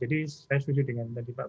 jadi saya setuju dengan tadi pak bukhari